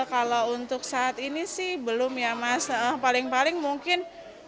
kalau untuk saat ini sih belum ya mas paling paling mungkin